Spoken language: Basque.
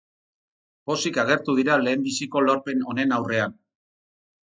Pozik agertu dira lehenbiziko lorpen honen aurrean.